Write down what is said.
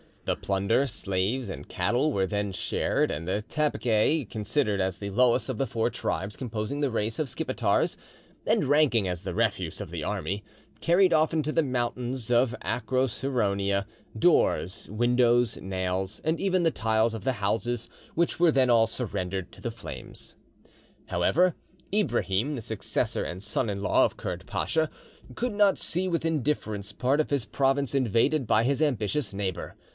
The plunder, slaves, and cattle were then shared, and the Tapygae, considered as the lowest of the four tribes composing the race of Skipetars, and ranking as the refuse of the army, carried off into the mountains of Acroceraunia, doors, windows, nails, and even the tiles of the houses, which were then all surrendered to the flames. However, Ibrahim, the successor and son in law of Kurd Pacha, could not see with indifference part of his province invaded by his ambitious neighbour.